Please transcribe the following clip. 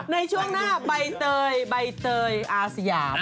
ในช่วงหน้าใบเตยอาเสียง